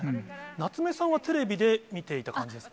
夏目さんはテレビで見ていた感じですか。